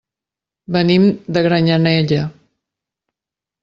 Venim de Granyanella.